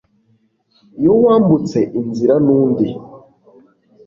iyo wambutse inzira nundi